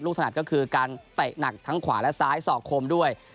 ถนัดก็คือการเตะหนักทั้งขวาและซ้ายสอกคมด้วย